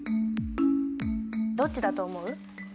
どっちだと思う？